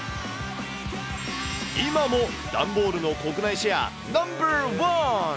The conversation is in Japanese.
今も段ボールの国内シェアナンバー１。